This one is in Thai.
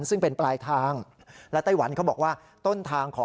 ซึ่งเป็นปลายทาง